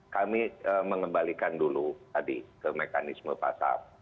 kami mengembalikan dulu tadi ke mekanisme pasar